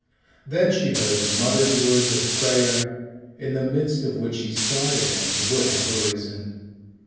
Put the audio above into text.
Then she heard the muttered words of prayer, in the midst of which she started, and would have arisen.